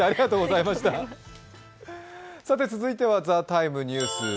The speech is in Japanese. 続いては「ＴＨＥＴＩＭＥ，」ニュース。